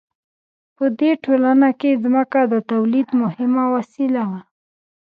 په دې ټولنه کې ځمکه د تولید مهمه وسیله وه.